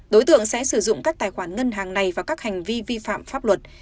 đối tượng sẽ sử dụng các tài khoản ngân hàng này vào các hành vi vi phạm pháp luật